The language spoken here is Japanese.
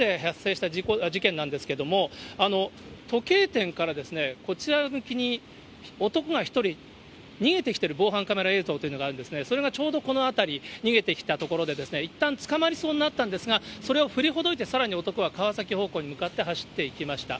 そういった所で、発生した事件なんですけれども、時計店からこちら向きに男が１人、逃げてきている防犯カメラ映像というのがあるんですね、それがちょうどこの辺り、逃げてきたところで、いったん、捕まりそうになったんですが、それを振りほどいてさらに男は川崎方向に向かって走っていきました。